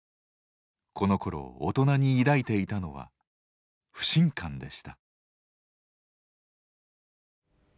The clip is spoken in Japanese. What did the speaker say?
このころ大人に抱いていたのは不信感でした。